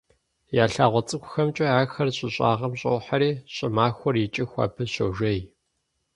Я лъагъуэ цӏыкӏухэмкӏэ ахэр щӏы щӏагъым щӏохьэри, щӏымахуэр икӏыху абы щожей.